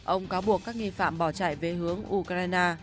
ông cáo buộc các nghi phạm bỏ chạy về hướng ukraine